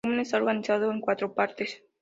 El volumen está organizado en cuatro partes.